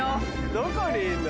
どこにいんの？